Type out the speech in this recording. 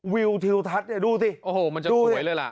วิวทิวทัศน์เนี่ยดูสิโอ้โหมันจะสวยเลยล่ะ